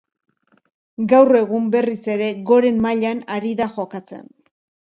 Gau egun berriz ere goren mailan ari da jokatzen.